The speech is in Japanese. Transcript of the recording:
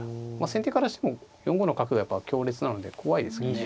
先手からしても４五の角がやっぱ強烈なので怖いですよね。